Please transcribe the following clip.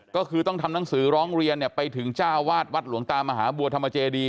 ก็คือต้องทำหนังสือร้องเรียนไปถึงเจ้าวาดวัดหลวงตามหาบัวธรรมเจดี